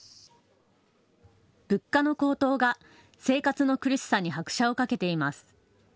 物価の高騰が生活の苦しさに拍車をかけています。